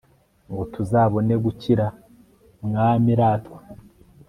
ngo tuzabone gukira (mwami), ratwa